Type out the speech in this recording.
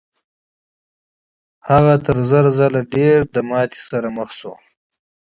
هغه تر زر ځله له ډېرې ماتې سره مخ شو.